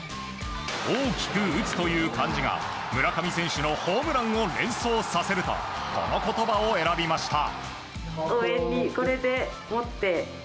大きく打つという感じが村上選手のホームランを連想させるとこの言葉を選びました。